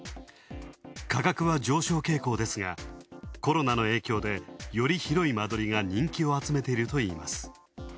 価格は上昇傾向ですがコロナの影響でより広い間取りが人気を集めているといいます。